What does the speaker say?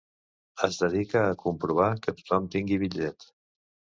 Es dedica a comprovar que tothom tingui bitllet.